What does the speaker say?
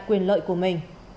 quyền lợi của mình